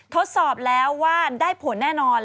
ทดสอบแล้วว่าได้ผลแน่นอน